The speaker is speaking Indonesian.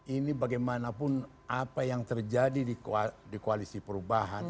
ini bagaimanapun apa yang terjadi di koalisi perubahan